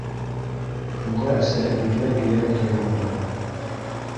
Уға әсәһе бигерәк йәл тойолдо.